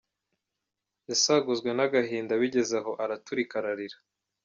Yasaguzwe n’agahinda bigeze aho araturika ararira.